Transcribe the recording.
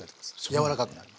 柔らかくなります。